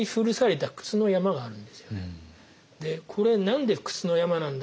でこれ何で靴の山なんだ？